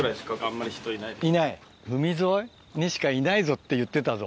海沿いにしかいないぞって言ってたぞ。